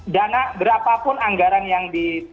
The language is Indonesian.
dana berapapun anggaran yang di